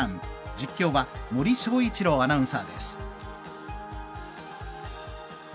実況は森昭一郎アナウンサーです。